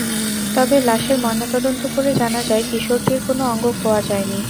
তবে লাশের ময়নাতদন্ত করে জানা যায়, কিশোরটির কোনো অঙ্গ খোয়া যায়নি।